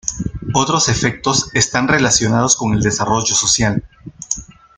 Otros efectos están relacionados con el desarrollo social.